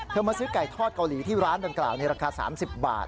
มาซื้อไก่ทอดเกาหลีที่ร้านดังกล่าวในราคา๓๐บาท